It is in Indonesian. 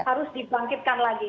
harus dibangkitkan lagi